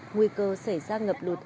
nguy cơ sẽ ra ngập lụt